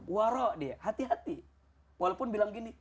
waro' dia hati hati walaupun bilang gini